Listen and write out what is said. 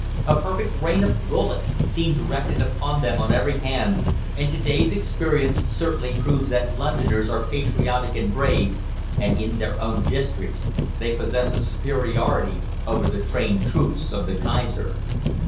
A perfect rain of bullets seemed directed upon them on every hand, and to day's experience certainly proves that Londoners are patriotic and brave, and in their own districts they possess a superiority over the trained troops of the Kaiser.